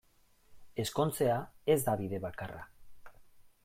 Ezkontzea ez da bide bakarra.